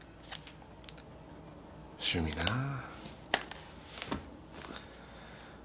趣味なぁ。